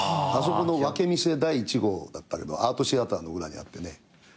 あそこの分け店第１号だったけどアートシアターの裏にあってね。